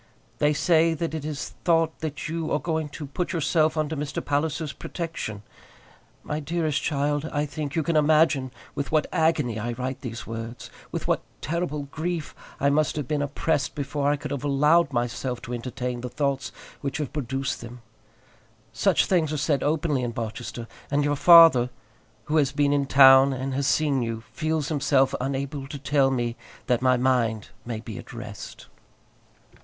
They say that it is thought that you are going to put yourself under Mr. Palliser's protection. My dearest child, I think you can imagine with what an agony I write these words, with what terrible grief I must have been oppressed before I could have allowed myself to entertain the thoughts which have produced them. Such things are said openly in Barchester, and your father, who has been in town and has seen you, feels himself unable to tell me that my mind may be at rest.